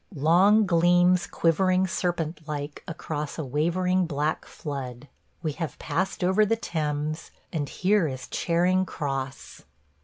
... long gleams quivering serpent like across a wavering black flood – we have passed over the Thames, and here is Charing Cross.